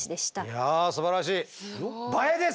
いやすばらしい！